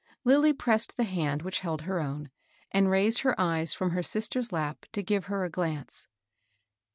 Lilly pressed the hsmd which held her own, and raised her eyes fi'om her sister's lap to give her a glance.